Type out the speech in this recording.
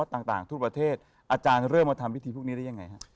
ต่างทั่วประเทศอาจารย์เริ่มมาทำพิธีพวกนี้ได้ยังไงฮะ